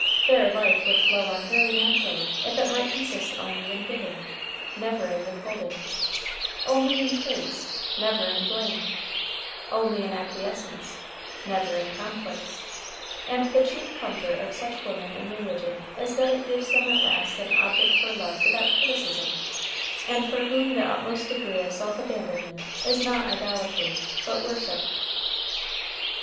Their life would flow on very naturally if it might consist only in giving, never in withholding only in praise, never in blame only in acquiescence, never in conflict; and the chief comfort of such women in religion is that it gives them at last an object for love without criticism, and for whom the utmost degree of self abandonment is not idolatry, but worship.